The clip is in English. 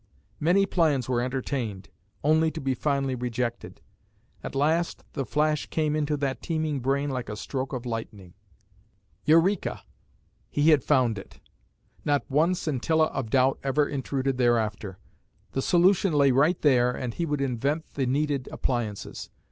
Many plans were entertained, only to be finally rejected. At last the flash came into that teeming brain like a stroke of lightning. Eureka! he had found it. Not one scintilla of doubt ever intruded thereafter. The solution lay right there and he would invent the needed appliances.